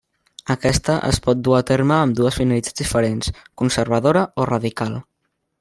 Aquesta es pot dur a terme amb dues finalitats diferents: conservadora o radical.